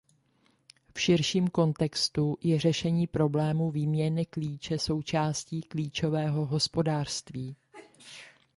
V širším kontextu je řešení problému výměny klíče součástí klíčového hospodářství.